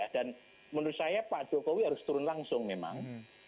dan menurut saya pak jokowi harus turun langsung memang